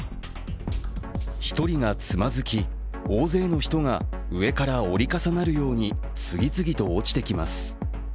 １人がつまずき大勢の人が上から折り重なるように次々と落ちてきます。